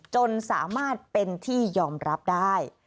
จนสามารถเป็นที่ยอมรับได้